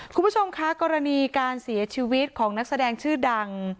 คุณผู้ชมคะกรณีการเสียชีวิตของนักแสดงชื่อดัง